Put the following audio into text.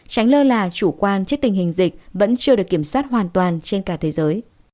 tránh lơ là chủ quan trước tình hình dịch vẫn chưa được kiểm soát hoàn toàn trên cả thế giới